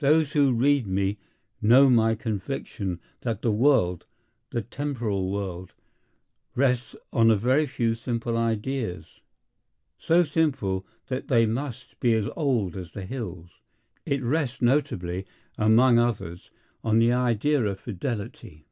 Those who read me know my conviction that the world, the temporal world, rests on a few very simple ideas; so simple that they must be as old as the hills. It rests notably, among others, on the idea of Fidelity.